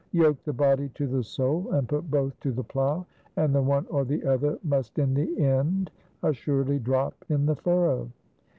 Yoke the body to the soul, and put both to the plough, and the one or the other must in the end assuredly drop in the furrow.